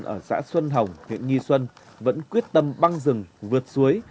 ở xã xuân hồng huyện nghi xuân vẫn quyết tâm băng rừng vượt suối